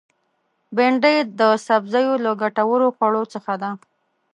بېنډۍ د سبزیو له ګټورو خوړو څخه ده